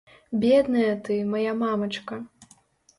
Бедная ты, мая мамачка!